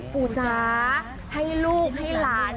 จ๋าให้ลูกให้หลาน